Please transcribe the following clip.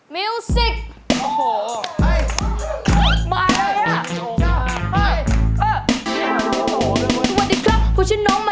มา